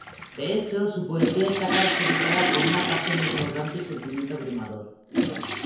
De hecho, su poesía está caracterizada por una pasión desbordante y sentimiento abrumador.